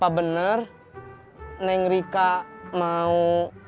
apa bener neng rika mau